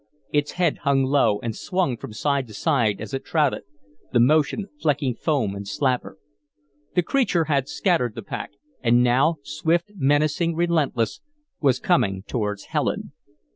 Its head hung low and swung from side to side as it trotted, the motion flecking foam and slaver. The creature had scattered the pack, and now, swift, menacing, relentless, was coming towards Helen.